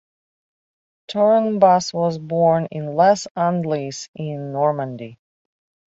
Turnebus was born in Les Andelys in Normandy.